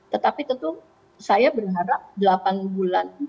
tetapi tentu saya berharap delapan bulan